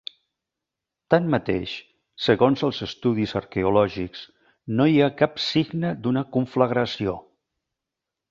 Tanmateix, segons els estudis arqueològics, no hi ha cap signe d'una conflagració.